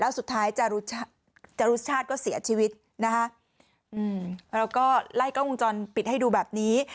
แล้วสุดท้ายจารุชาติก็เสียชีวิตนะคะอืมเราก็ไล่กล้องวงจรปิดให้ดูแบบนี้